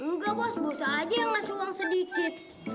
enggak bos bos aja yang ngasih uang sedikit